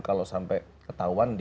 kalau sampai ketahuan